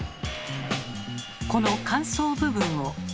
この間奏部分を。